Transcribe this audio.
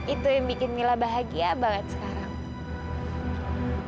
itu yang bikin mila bahagia banget sekarang